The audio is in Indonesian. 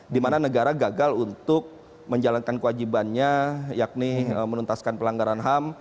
di mana negara gagal untuk menjalankan kewajibannya yakni menuntaskan pelanggaran ham